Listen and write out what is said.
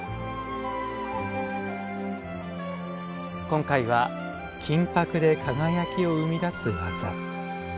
今回は金箔で輝きを生み出す技。